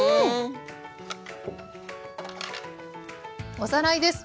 おさらいです。